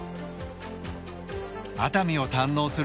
熱海を堪能する健康旅。